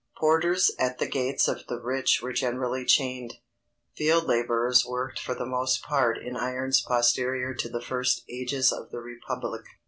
Porters at the gates of the rich were generally chained. Field laborers worked for the most part in irons posterior to the first ages of the republic.